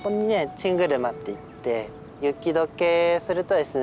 チングルマっていって雪解けするとですね